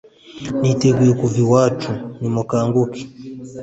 niteguye kuva iwacu nimukanguke